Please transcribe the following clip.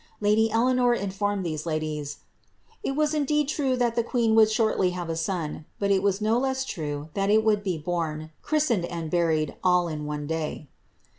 Lady Eleanor informed these ladies, ^ It was indeed true that the queen would shortly have a son ; but it was no less true that it would he bom, christened, and buried, all in one day."